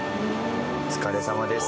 お疲れさまです。